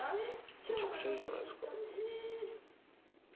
めちゃくちゃいいじゃないですか。